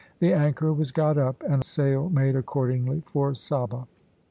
The anchor was got up, and sail made accordingly for Saba.